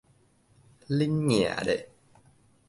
恁娘咧